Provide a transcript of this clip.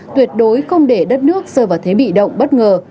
tuyệt đối không để đất nước rơi vào thế bị động bất ngờ